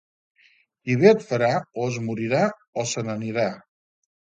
Qui bé et farà, o es morirà o se n'anirà.